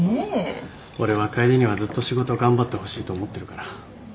俺は楓にはずっと仕事頑張ってほしいと思ってるから。